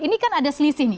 ini kan ada selisih nih